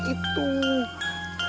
saktinya seperti itu